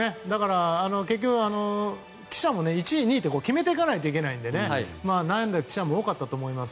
結局、記者も１位、２位って決めていかないといけないので悩んだ記者も多かったと思います。